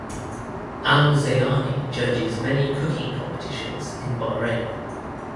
Al Zayani judges many cooking competitions in Bahrain.